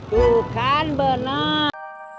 tuh kan bener